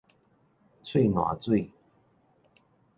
喙瀾水